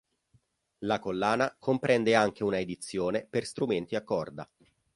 La collana comprende anche una edizione per strumenti a corda.